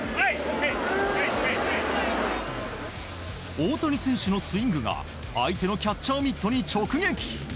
大谷選手のスイングが相手のキャッチャーミットに直撃。